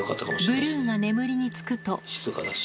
ブルーが眠りにつくと。